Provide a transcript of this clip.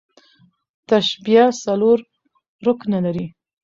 تشبیه څلور رکنه لري.